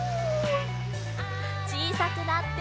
ちいさくなって。